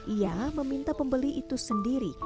ia meminta pembeli itu sendiri